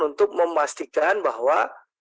untuk memastikan bahwa